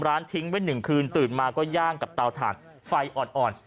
ร้านทิ้งไว้หนึ่งคืนตื่นมาก็ย่างกับตาวถาดไฟอ่อนอ่อน